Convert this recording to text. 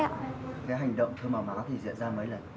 cái hành động thơm má thì diễn ra mấy lần